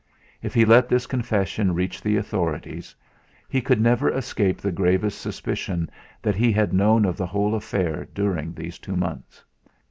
If he let this confession reach the authorities, he could never escape the gravest suspicion that he had known of the whole affair during these two months.